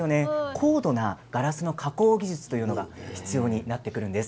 高度なガラスの加工技術が必要になってくるんです。